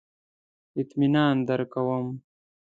اطمینان درکوم.